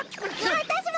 わたしも！